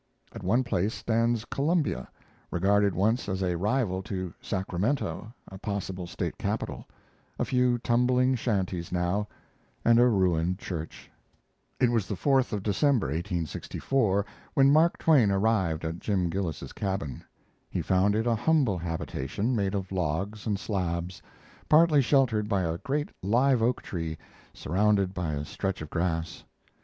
At one place stands Columbia, regarded once as a rival to Sacramento, a possible State capital a few tumbling shanties now and a ruined church. It was the 4th of December, 1864, when Mark Twain arrived at Jim Gillis's cabin. He found it a humble habitation made of logs and slabs, partly sheltered by a great live oak tree, surrounded by a stretch of grass.